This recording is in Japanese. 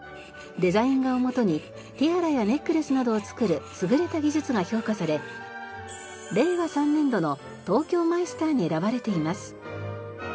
デザイン画をもとにティアラやネックレスなどを作る優れた技術が評価され令和３年度の東京マイスターに選ばれています。